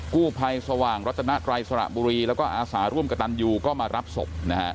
กู้ภัยสว่างรัตนไตรสระบุรีแล้วก็อาสาร่วมกับตันยูก็มารับศพนะฮะ